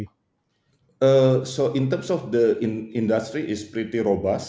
dalam hal industri itu cukup robust